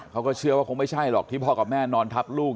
เขาก็เชื่อว่าคงไม่ใช่หรอกที่พ่อกับแม่นอนทับลูก